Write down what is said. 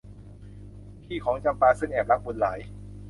พี่ของจำปาซึ่งแอบรักบุญหลาย